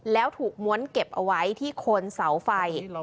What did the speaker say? แล้วถูกม้วนเก็บเอาไว้ที่คนเสาไฟ